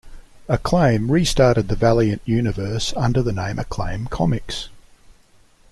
Acclaim restarted the Valiant universe under the name Acclaim comics.